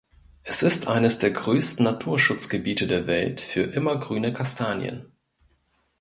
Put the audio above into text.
Es ist eines der größten Naturschutzgebiete der Welt für immergrüne Kastanien.